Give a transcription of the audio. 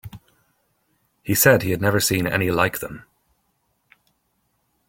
He said he had never seen any like them.